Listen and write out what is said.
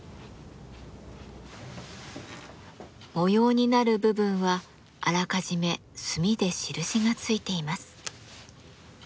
模様になる部分はあらかじめ墨で印がついています。